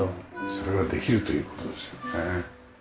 それができるという事ですよね。